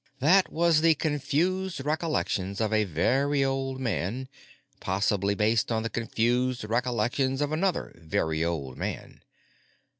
That was the confused recollections of a very old man, possibly based on the confused recollections of another very old man.